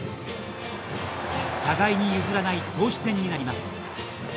互いに譲らない投手戦になります。